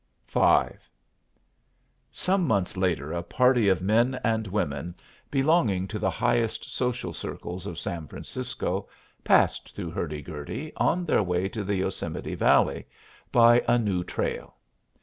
V Some months later a party of men and women belonging to the highest social circles of San Francisco passed through Hurdy Gurdy on their way to the Yosemite Valley by a new trail.